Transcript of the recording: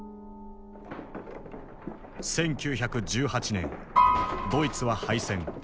１９１８年ドイツは敗戦。